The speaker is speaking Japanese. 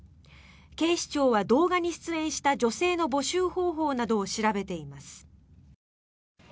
警視庁は動画に出演した女性の募集方法などを調べています。